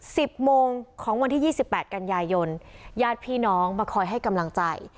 สิบโมงของวันที่ยี่สิบแปดกันยายนญาติพี่น้องมาคอยให้กำลังใจ